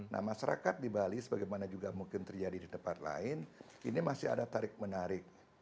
nah masyarakat di bali sebagaimana juga mungkin terjadi di tempat lain ini masih ada tarik menarik